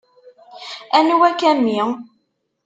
Anwa-k, a mmi?